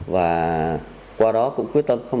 và qua đó cũng quyết tâm